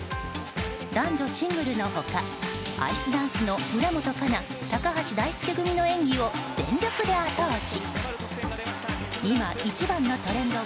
男女シングルの他アイスダンスの村元哉中、高橋大輔組の演技を全力で後押し。